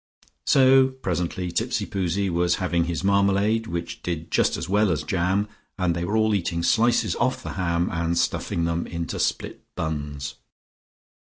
So presently Tipsipoozie was having his marmalade, which did just as well as jam, and they were all eating slices off the ham, and stuffing them into split buns.